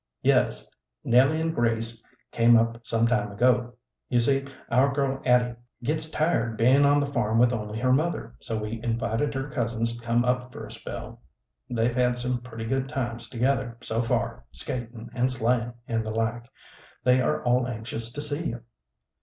"Yes, Nellie and Grace came up some time ago. You see, our girl, Addie, gits tired being on the farm with only her mother, so we invited her cousins to come up for a spell. They've had some pretty good times together, so far, skatin' and sleighin', and the like. They are all anxious to see you."